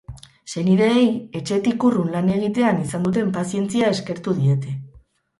Senideei etxetik urrun lan egitean izan duten pazientzia eskertu diete.